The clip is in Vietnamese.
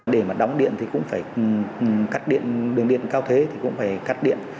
để mà đóng điện thì cũng phải cắt điện đường điện cao thế thì cũng phải cắt điện